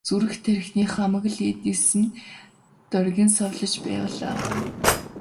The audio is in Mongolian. Зүрх тархины хамаг л эд эс нь доргин савлаж байлаа.